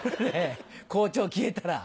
校長消えたら。